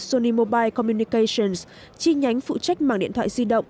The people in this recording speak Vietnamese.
sony mobile communications chi nhánh phụ trách mạng điện thoại di động